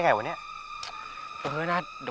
อยากว่าตายอย่างไร